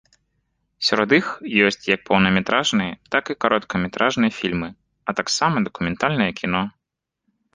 Сярод іх ёсць як поўнаметражныя, так і кароткаметражныя фільмы, а таксама дакументальнае кіно.